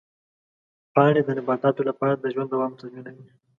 پاڼې د نباتاتو لپاره د ژوند دوام تضمینوي.